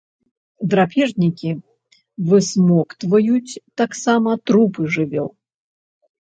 Драпежнікі, высмоктваюць таксама трупы жывёл.